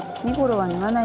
はい。